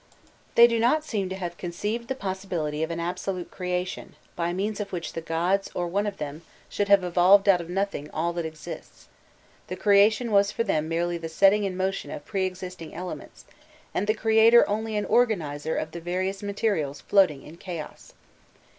They do not seem to have conceived the possibility of an absolute creation, by means of which the gods, or one of them, should have evolved out of nothing all that exists: the creation was for them merely the setting in motion of pre existing elements, and the creator only an organizer of the various materials floating in chaos.